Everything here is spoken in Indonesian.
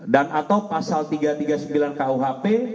dan atau pasal tiga ratus tiga puluh sembilan kwp